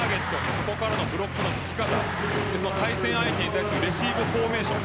そこからのブロックのつき方対戦相手に対するレシーブフォーメーション